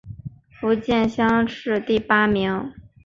福建乡试第八名。